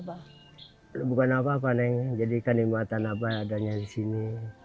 bukan apa apa jadi kan imatan abah adanya di sini